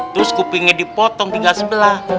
terus kupingnya dipotong tinggal sebelah